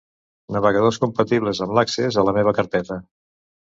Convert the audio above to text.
Navegadors compatibles amb l'accés a 'La meva carpeta'